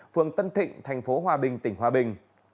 phường tân thịnh thành phố hòa bình tỉnh hòa bình